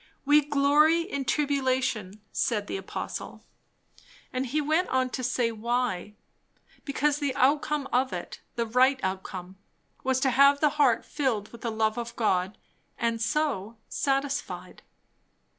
"We glory in tribulation," said the apostle; and he went on to say why; because the outcome of it, the right outcome, was to have the heart filled with the love of God, and so, satisfied.